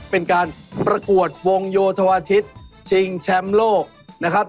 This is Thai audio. เป็นการประกวดวงโยธวาทิศชิงแชมป์โลกนะครับ